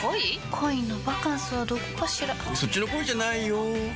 恋のバカンスはどこかしらそっちの恋じゃないよ